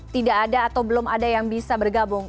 tidak ada atau belum ada yang bisa bergabung